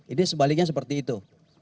ini sebaliknya seperti itu